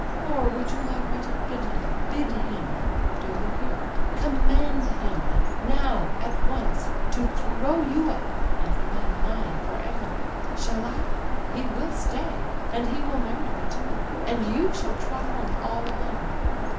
"Or would you like me to bid him, bid him, do you hear, command him, now, at once, to throw you up, and remain mine for ever? Shall I? He will stay, and he will marry me too, and you shall trot home all alone.